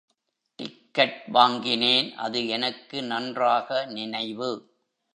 Ticket வாங்கினேன், அது எனக்கு நன்றாக நினைவு.